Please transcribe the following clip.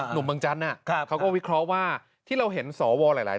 หนุ่มบังจันทร์น่ะครับเขาก็วิครอว่าที่เราเห็นสวหลาย